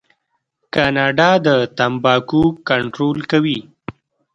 کاناډا د تمباکو کنټرول کوي.